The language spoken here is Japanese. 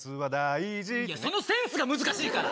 そのセンスが難しいから。